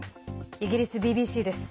イギリスＢＢＣです。